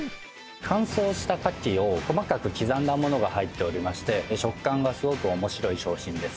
乾燥した牡蠣を細かく刻んだ物が入っておりまして食感がすごく面白い商品です。